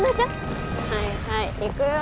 はいはい行くよ。